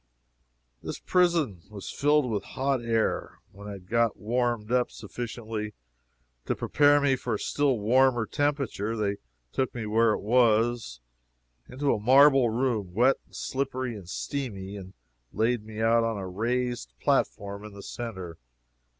This prison was filled with hot air. When I had got warmed up sufficiently to prepare me for a still warmer temperature, they took me where it was into a marble room, wet, slippery and steamy, and laid me out on a raised platform in the centre.